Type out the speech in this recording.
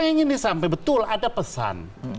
yang ingin disampe betul ada pesan